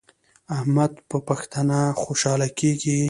احمد په پښتنه خوشحاله کیږي.